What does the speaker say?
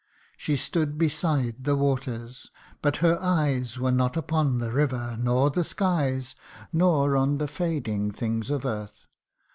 CANTO IIT. 91 She stood beside the waters, but her eyes Were not upon the river, nor the skies, Nor on the fading things of earth.